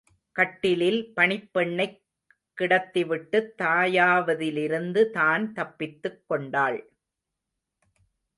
கட்டிலில் பணிப்பெண்ணைக் கிடத்திவிட்டுத் தாயாவதிலிருந்து தான் தப்பித்துக் கொண்டாள்.